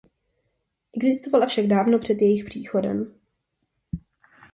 Existovala však dávno před jejich příchodem.